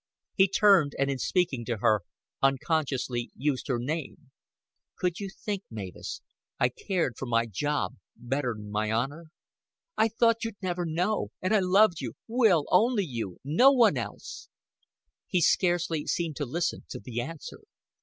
He turned, and in speaking to her, unconsciously used her name. "Could you think, Mavis, I cared for my job better'n my honor?" "I thought you'd never know. And I loved you, Will only you no one else." He scarcely seemed to listen to the answer.